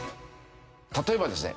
例えばですね